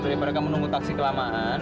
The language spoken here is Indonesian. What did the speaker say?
daripada kamu nunggu taksi kelamaan